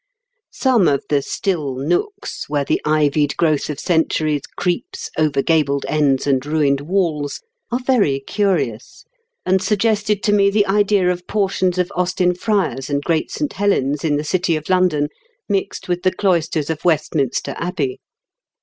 Some of the "still nooks where the ivied THE DARK ENTRY. 161 growth of centuries creeps over gabled ends and ruined walls " are very curious, and sug gested to me the idea of portions of Austin Friars and Great St. Helen's, in the city of London, mixed with the cloisters of West minster Abbey.